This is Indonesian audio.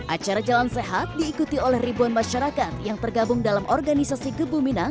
acara jalan sehat diikuti oleh ribuan masyarakat yang tergabung dalam organisasi kebuminang